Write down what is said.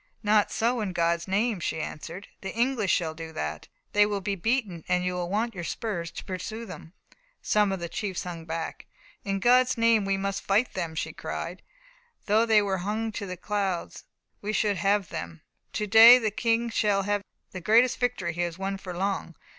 "Not so, in God's name!" she answered. "The English shall do that. They will be beaten, and you will want your spurs to pursue them." Some of the chiefs hung back. "In God's name, we must fight them!" she cried. "Though they were hung to the clouds, we should have them. To day the King shall have the greatest victory he has won for long.